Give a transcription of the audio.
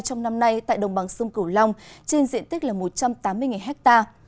trong năm nay tại đồng bằng sông cửu long trên diện tích là một trăm tám mươi ha